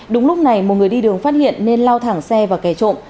đúng lúc này một người đi đường phát hiện nên lau thẳng xe và kẻ trộm